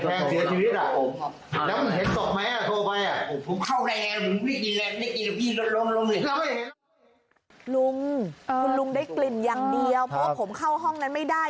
ลุงคุณลุงคุณลุงได้กลิ่นอย่างเดียวเพราะว่าผมเข้าห้องนั้นไม่ได้